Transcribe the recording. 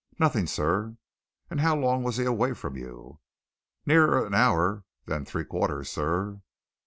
"Nothing, sir." "And how long was he away from you?" "Nearer an hour than three quarters, sir."